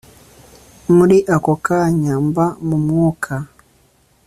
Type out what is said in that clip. Muri ako kanya mba mu Mwuka.